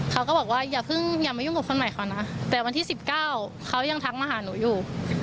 เขาก็บอกว่าอย่าเพิ่งอย่ามายุ่งกับคนใหม่เขานะแต่วันที่๑๙เขายังทักมาหาหนูอยู่